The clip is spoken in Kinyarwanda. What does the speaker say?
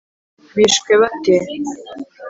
bishwe bate